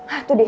hah tuh dia